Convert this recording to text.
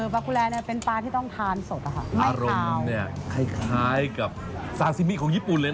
ปลากุแรเป็นปลาที่ต้องทานสดค่ะไม่คาวอารมณ์เนี่ยคล้ายกับซาซิมิของญี่ปุ่นเลยนะ